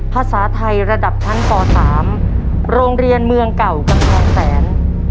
ภาษาไทยระดับชั้นป๓โรงเรียนเมืองเก่ากำแพงแสน